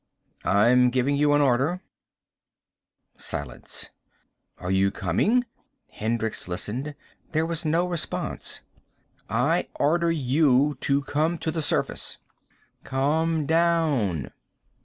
"I'm giving you an order." Silence. "Are you coming?" Hendricks listened. There was no response. "I order you to come to the surface." "Come down."